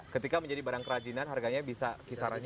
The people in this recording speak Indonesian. ketika menjadi barang kerajinan harganya bisa kisaran